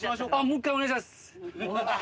もう１回お願いします。